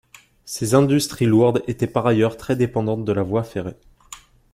Ces industries lourdes étaient par ailleurs très dépendantes de la voie ferrée.